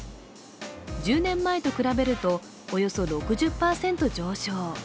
１０年前と比べるとおよそ６０％上昇。